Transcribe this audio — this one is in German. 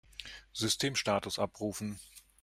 Systemstatus abrufen!